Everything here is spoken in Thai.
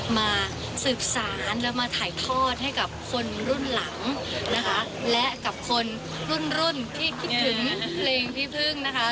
มาสืบสารแล้วมาถ่ายทอดให้กับคนรุ่นหลังนะคะและกับคนรุ่นรุ่นที่คิดถึงเพลงพี่พึ่งนะคะ